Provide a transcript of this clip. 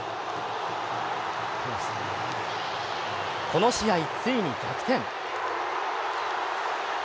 この試合、ついに逆転。